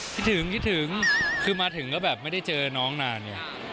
คิดถึงคิดถึงคือมาถึงก็แบบไม่ได้เจอน้องนานไง